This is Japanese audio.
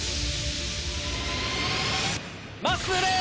まっすー